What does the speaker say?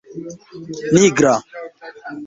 nigra